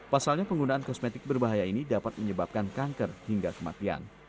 pasalnya penggunaan kosmetik berbahaya ini dapat menyebabkan kanker hingga kematian